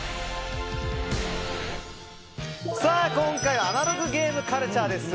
今回はアナログゲームカルチャーです。